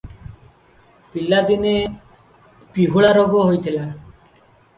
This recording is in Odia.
ପିଲାଦିନେ ପିହୁଳା ରୋଗ ହୋଇଥିଲା ।